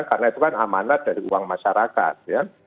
karena itu kan amanat dari uang masyarakat